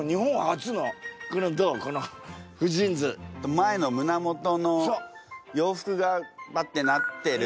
前の胸元の洋服がパッてなってる